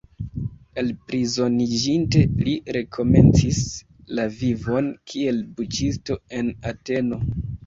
Elprizoniĝinte, li rekomencis la vivon kiel buĉisto en Ateno.